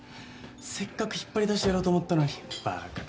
せっかく引っ張り出してやろうと思ったのにバーカ。